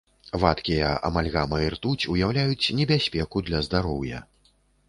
Вадкія амальгама і ртуць уяўляюць небяспеку для здароўя.